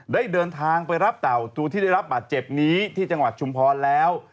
ได้เดินทางไปรับเต่าตัวที่ได้รับบาดเจ็บนี้ที่จังหวัดชุมพรแล้ว